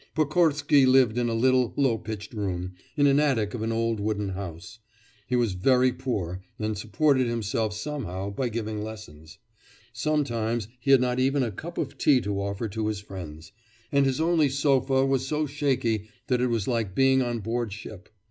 Pokorsky lived in a little, low pitched room, in an attic of an old wooden house. He was very poor, and supported himself somehow by giving lessons. Sometimes he had not even a cup of tea to offer to his friends, and his only sofa was so shaky that it was like being on board ship.